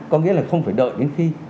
có nghĩa là không phải đợi đến khi